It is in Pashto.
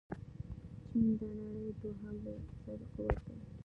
چين د نړۍ دوهم لوی اقتصادي قوت دې.